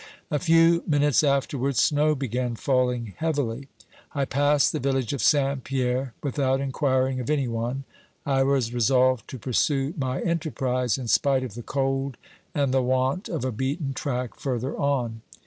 A few minutes afterwards snow began falling heavily. I passed the village of Saint Pierre without inquiring of any OBERMANN 397 one. I was resolved to pursue my enterprise, in spite of the cold and the want of a beaten track further on.